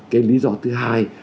cái lý luận